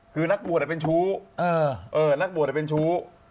คือนักบวชเป็นชู้